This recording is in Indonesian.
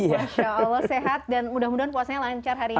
masya allah sehat dan mudah mudahan puasanya lancar harinya